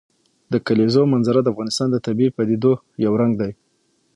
د کلیزو منظره د افغانستان د طبیعي پدیدو یو رنګ دی.